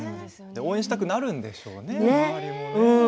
応援したくなるんでしょうね。